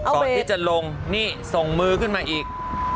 ก่อนที่จะลงนี่ส่งมือขึ้นมาอีก